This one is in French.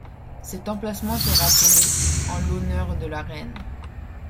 Cet emplacement sera appelé en l'honneur de la reine.